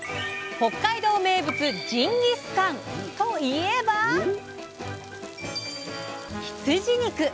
北海道名物ジンギスカン！といえば羊肉！